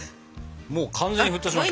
もう完全に沸騰しました。